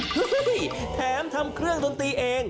แถมทำเครื่องดนตรีเอง